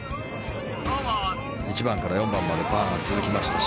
１番から４番までパーが続きました。